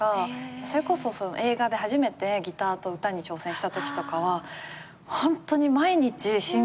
それこそ映画で初めてギターと歌に挑戦したときとかホントに毎日心臓がバクバクしてて。